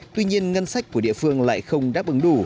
tuy nhiên ngân sách của địa phương lại không đáp ứng đủ